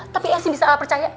tapi esi bisa percaya